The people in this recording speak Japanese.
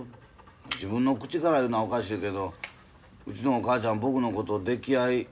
自分の口から言うのはおかしいけどうちのお母ちゃん僕のこと溺愛。